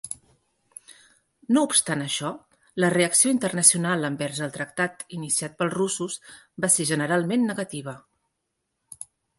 No obstant això, la reacció internacional envers el tractat iniciat pels russos va ser generalment negativa.